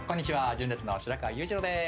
純烈の白川裕二郎です。